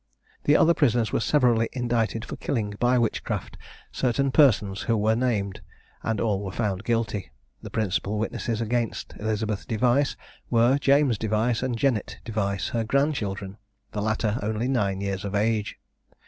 The other prisoners were severally indicted for killing by witchcraft certain persons who were named, and were all found guilty. The principal witnesses against Elizabeth Device were James Device and Jennet Device, her grandchildren, the latter only nine years of age.